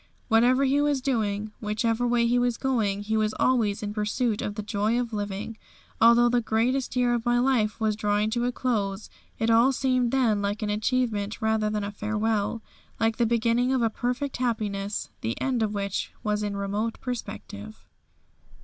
Whatever he was doing, whichever way he was going, he was always in pursuit of the joy of living. Although the greatest year of my life was drawing to a close, it all seemed then like an achievement rather than a farewell, like the beginning of a perfect happiness, the end of which was in remote perspective.